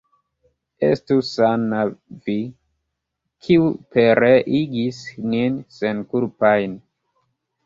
Estu sana vi, kiu pereigis nin senkulpajn!